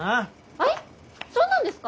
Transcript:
アイそうなんですか？